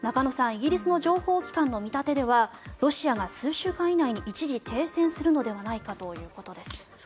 イギリスの情報機関の見立てではロシアが数週間以内に一時停戦するのではないかということです。